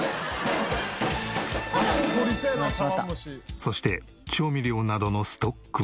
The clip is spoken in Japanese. そして調味料などのストックは。